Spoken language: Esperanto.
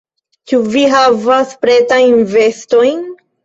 Ĉu vi havas pretajn vestojn?